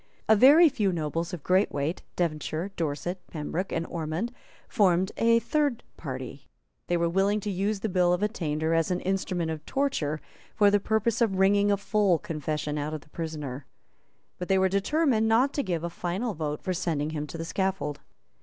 A very few nobles of great weight, Devonshire, Dorset, Pembroke and Ormond, formed a third party. They were willing to use the Bill of Attainder as an instrument of torture for the purpose of wringing a full confession out of the prisoner. But they were determined not to give a final vote for sending him to the scaffold.